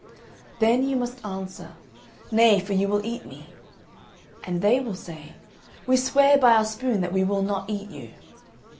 Then you must answer, Nay, for you will eat me.' And they will say, We swear by our spoon that we will not eat you!'